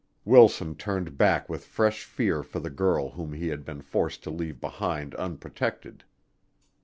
Wilson turned back with fresh fear for the girl whom he had been forced to leave behind unprotected.